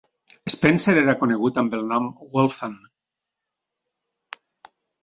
Spencer era conegut amb el nom Waltham.